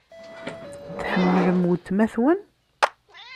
Tḥemmlem weltma-twen?